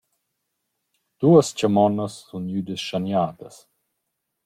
Duos chamonnas sun gnüdas schaniadas.